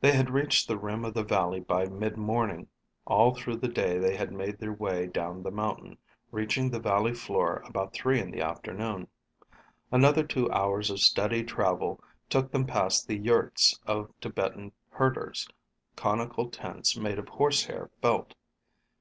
They had reached the rim of the valley by midmorning. All through the day they made their way down the mountain, reaching the valley floor about three in the afternoon. Another two hours of steady travel took them past the yurts of Tibetan herders conical tents made of horsehair felt.